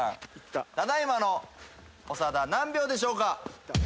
ただ今の長田何秒でしょうか？